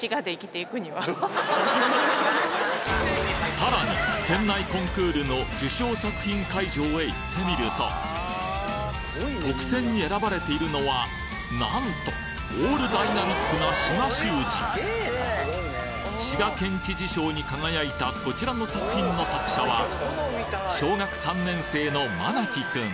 さらに県内コンクールの受賞作品会場へ行ってみると特選に選ばれているのはなんとオールダイナミックな滋賀習字滋賀県知事賞に輝いたこちらの作品の作者は小学３年生のまなきくん